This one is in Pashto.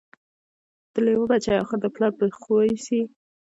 د لېوه بچی آخر د پلار په خوی سي